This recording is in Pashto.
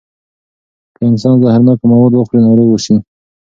که انسان زهرناکه مواد وخوري، ناروغ شي.